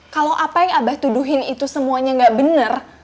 kalau apa yang abah tuduhin itu semuanya nggak benar